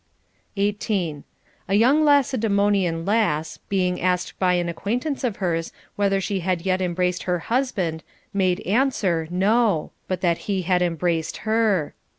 18. A young Lacedaemonian lass, being asked by an acquaintance of hers whether she had yet embraced her husband, made answer, No ; but that he had embraced her.